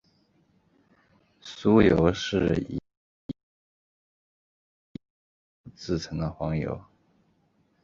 酥油是以驯养的牦牛的产乳制成的黄油。